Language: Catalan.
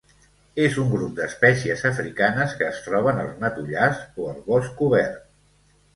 És un grup d'espècies africanes que es troben als matollars o el bosc obert.